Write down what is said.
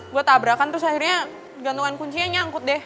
gue tabrakan terus akhirnya gantungan kuncinya nyangkut deh